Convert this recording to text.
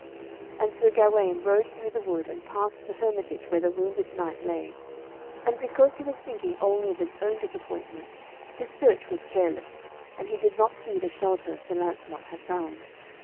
And Sir Gawaine rode through the wood and past the hermitage where the wounded knight lay; and because he was thinking only of his own disappointment, his search was careless, and he did not see the shelter Sir Lancelot had found.